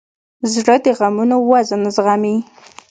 زړه د غمونو وزن زغمي.